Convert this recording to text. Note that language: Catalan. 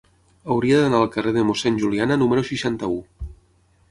Hauria d'anar al carrer de Mossèn Juliana número seixanta-u.